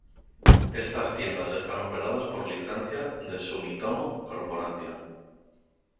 Estas tiendas están operadas por licencia de Sumitomo Corporation.